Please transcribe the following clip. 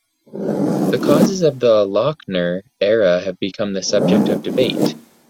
The causes of the "Lochner" era have been the subject of debate.